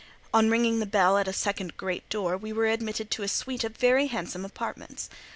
On ringing the bell at a second great door, we were admitted to a suite of very handsome apartments.